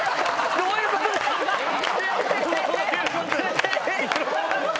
どういうことですか？